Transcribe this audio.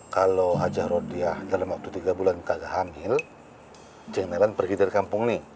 kalo aja rodia dalam waktu tiga bulan gak hamil cing nelang pergi dari kampung ini